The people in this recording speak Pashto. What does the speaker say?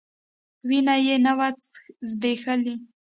وينه يې نه وه ځبېښلې.